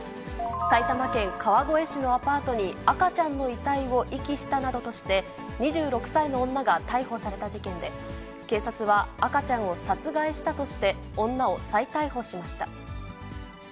埼玉県川越市のアパートに赤ちゃんの遺体を遺棄したなどとして、２６歳の女が逮捕された事件で、警察は、赤ちゃんを殺害したとして、女を再逮捕しました。